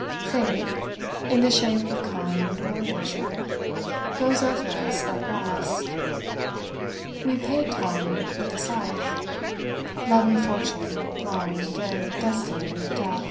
Fate, in the shape of Kinde or nature, grows over us like grass. We paint Time with a scythe; Love and Fortune, blind; and Destiny, deaf.